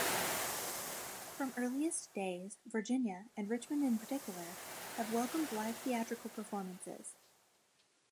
From earliest days, Virginia, and Richmond in particular, have welcomed live theatrical performances.